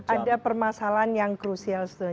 ada permasalahan yang krusial